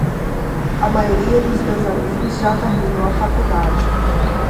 A maioria dos meus amigos já terminou a faculdade.